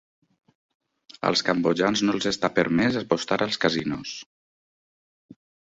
Als cambodjans no els està permès apostar als casinos.